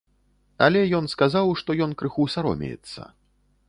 Але ён сказаў, што ён крыху саромеецца.